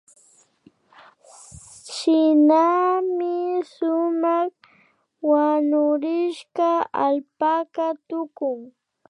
Shinami sumak wanurishka allpaka tukun